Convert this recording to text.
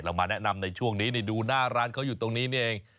มาแนะนำในช่วงนี้ดูหน้าร้านเขาอยู่ตรงนี้นี่เอง